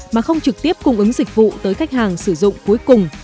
mà không trực tiếp cung ứng dịch vụ tới khách hàng sử dụng cuối cùng